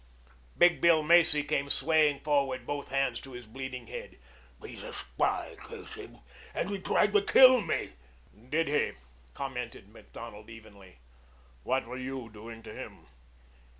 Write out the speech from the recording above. Big Bill Macy came swaying forward, both hands to his bleeding head. "He's a spy, curse him. And he tried to kill me." "Did he?" commented Macdonald evenly. "What were you doing to him?"